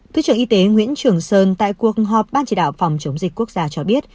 thứ trưởng y tế nguyễn trường sơn tại cuộc họp ban chỉ đạo phòng chống dịch quốc gia cho biết